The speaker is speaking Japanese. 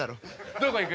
どこ行く？